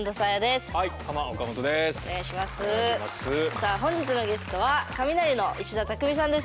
さあ本日のゲストはカミナリの石田たくみさんです。